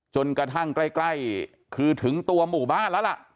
จนกระทั่งใกล้คือถึงตัวหมู่บ้านแล้วล่ะ